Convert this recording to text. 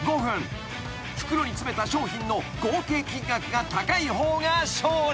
［袋に詰めた商品の合計金額が高い方が勝利］